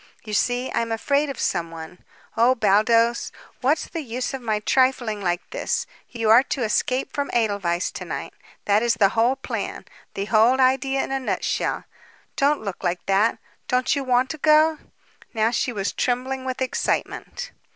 You see, I am afraid of someone. Oh, Baldos, what's the use of my trifling like this? You are to escape from Edelweiss to night. That is the whole plan the whole idea in a nutshell. Don't look like that. Don't you want to go?" Now she was trembling with excitement.